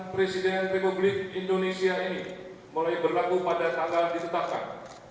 pertemuan tahun dua ribu empat belas dua ribu sembilan belas